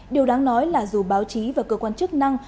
điều đáng nói là dù báo chí và cơ quan chức năng